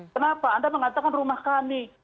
kenapa anda mengatakan rumah kami